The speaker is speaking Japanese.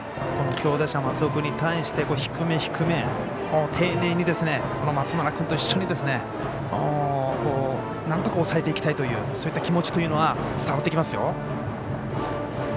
強打者の松尾君に対して低め低め、丁寧に松村君と一緒になんとか抑えていきたいというそういった気持ちというのは伝わってきますよ。